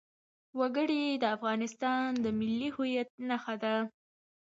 وګړي د افغانستان د ملي هویت نښه ده.